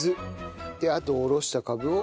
であとおろしたカブを。